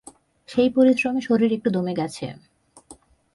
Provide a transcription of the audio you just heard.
সেই পরিশ্রমে শরীর একটু দমে গেছে।